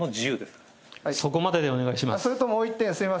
すみません、そこまででお願いします。